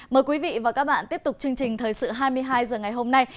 mời quý vị và các bạn tiếp tục chương trình thời sự hai mươi hai h ngày hôm nay